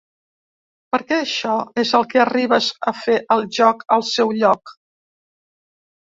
Perquè això és el que arribes a fer al joc al seu lloc.